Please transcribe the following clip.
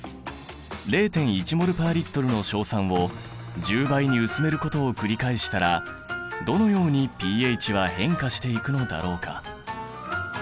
０．１ｍｏｌ／Ｌの硝酸を１０倍に薄めることを繰り返したらどのようにｐＨは変化していくのだろうか。